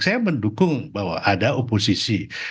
saya mendukung bahwa ada oposisi